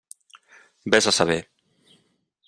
Vés a saber.